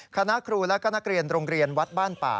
คณะครูและก็นักเรียนโรงเรียนวัดบ้านป่า